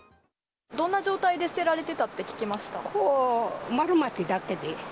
どんな状態で捨てられてたっこう、丸まってたって。